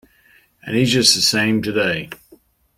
And he's just the same today.